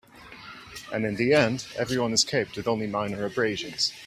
And in the end, everyone escaped with only minor abrasions.